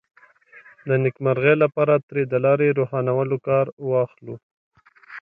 د نېکمرغۍ لپاره ترې د لارې روښانولو کار واخلو.